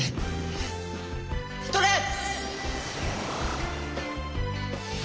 ストレッ！